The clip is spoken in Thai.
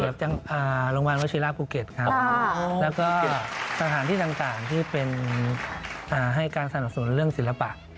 โรงพยาบาลวชิระภูเก็ตครับแล้วก็สถานที่ต่างที่เป็นให้การสนับสนุนเรื่องศิลปะ